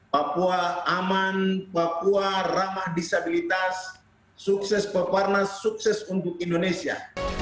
papua aman papua ramah disabilitas sukses peparnas sukses untuk indonesia